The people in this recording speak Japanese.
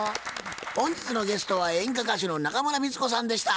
本日のゲストは演歌歌手の中村美律子さんでした。